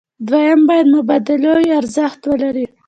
دویم باید مبادلوي ارزښت ولري.